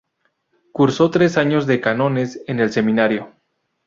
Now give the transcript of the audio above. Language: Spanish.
Curso tres años de cánones en el Seminario.